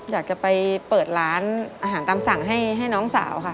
อยากจะไปเปิดร้านอาหารตามสั่งให้น้องสาวค่ะ